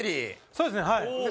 そうですねはい。